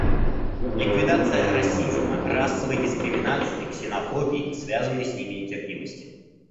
Ликвидация расизма, расовой дискриминации, ксенофобии и связанной с ними нетерпимости.